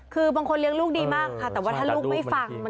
คือบางคนเลี้ยงลูกดีมากค่ะแต่ว่าถ้าลูกไม่ฟัง